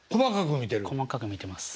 細かく見てます。